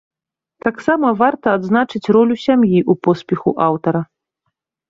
Таксама варта адзначыць ролю сям'і ў поспеху аўтара.